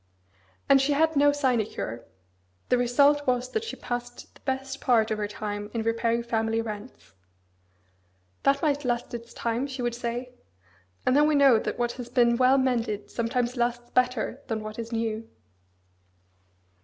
And she had no sinecure: the result was that she passed the best part of her time in repairing family rents. That might "last its time," she would say. "And then we know that what has been well mended sometimes lasts better than what is new."